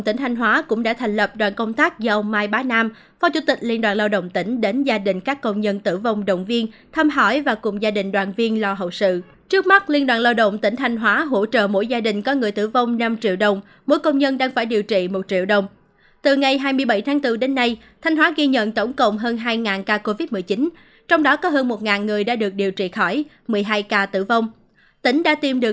tỉnh đã tiêm được hơn hai ba triệu liệu vắc xin phòng covid một mươi chín